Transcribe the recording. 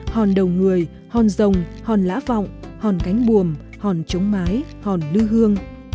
hòn đầu người hòn rồng hòn lã vọng hòn cánh buồm hòn trống mái hòn lư hương